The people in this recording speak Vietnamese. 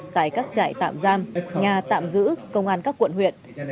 tại các trại tạm giam nhà tạm giữ công an các quận huyện